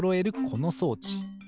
この装置。